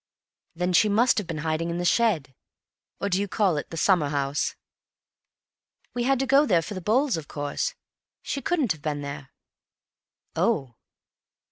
"Then she must have been hiding in the shed. Or do you call it the summer house?" "We had to go there for the bowls, of course. She couldn't have been there." "Oh!"